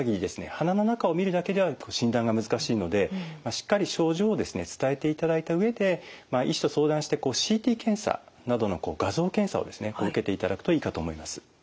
鼻の中を見るだけでは診断が難しいのでしっかり症状をですね伝えていただいた上で医師と相談してＣＴ検査などの画像検査をですね受けていただくといいかと思います。